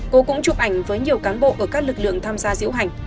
cô cũng chụp ảnh với nhiều cán bộ ở các lực lượng tham gia diễu hành